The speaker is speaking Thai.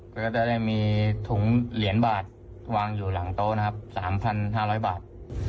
แล้วก็จะได้มีถุงเหรียญบาทวางอยู่หลังโต๊ะนะครับ๓๕๐๐บาท